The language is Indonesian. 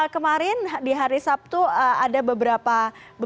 kemarin di hari sabtu ada beberapa